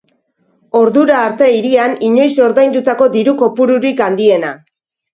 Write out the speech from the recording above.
Ordura arte hirian inoiz ordaindutako diru kopururik handiena.